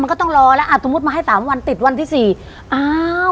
มันก็ต้องรอแล้วอ่ะสมมุติมาให้สามวันติดวันที่สี่อ้าว